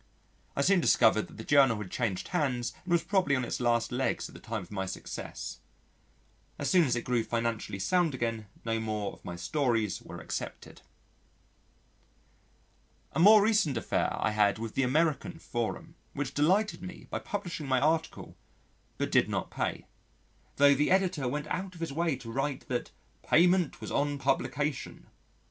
I soon discovered that the journal had changed hands and was probably on its last legs at the time of my success. As soon as it grew financially sound again no more of my stories were accepted. A more recent affair I had with the American Forum, which delighted me by publishing my article, but did not pay tho' the Editor went out of his way to write that "payment was on publication."